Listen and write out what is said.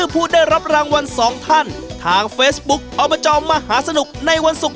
เพราะฉะนั้นข้างหน้าต้องเป็นเลข๑